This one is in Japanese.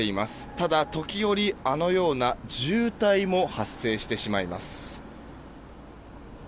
ただ、時折あのような渋滞も発生してしまいます。